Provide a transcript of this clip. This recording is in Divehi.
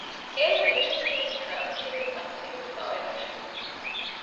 އޭރު މިރަށަކީވެސް ތަރައްޤީވެ ތަހްޒީބުވެފައި އޮތް ރަށެއް ނޫން